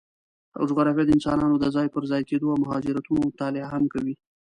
جغرافیه د انسانانو د ځای پر ځای کېدو او مهاجرتونو مطالعه هم کوي.